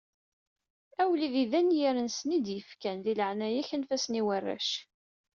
A wlidi d anyir-nsen i d-yefkan, di leεnaya-k anef-asen i warrac.